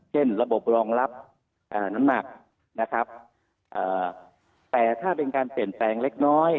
เช่นระบบรองรับน้ำหนักนะครับแต่ถ้าเป็นการเปลี่ยนแปลงเล็กน้อย